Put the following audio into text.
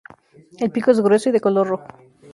El pico es grueso y de color rojo.